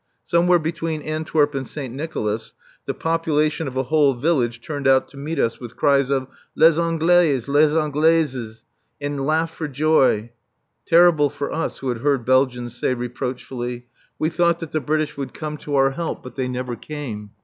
Somewhere between Antwerp and Saint Nicolas the population of a whole village turned out to meet us with cries of "Les Anglais! Les Anglaises!" and laughed for joy. Terrible for us, who had heard Belgians say reproachfully: "We thought that the British would come to our help. But they never came!"